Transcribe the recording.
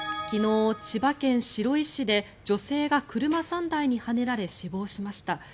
昨日、千葉県白井市で女性が車３台にはねられ死亡しました。